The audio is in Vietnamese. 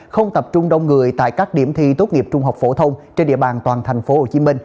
không tập trung đông người tại các điểm thi tốt nghiệp trung học phổ thông trên địa bàn toàn tp hcm